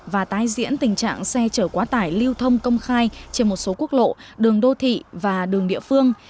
và tái diễn tình trạng xe chở quá tải lưu thông công khai trên một số quốc lộ đường đô thị và đường địa phương